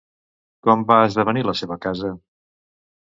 Com va esdevenir la seva casa?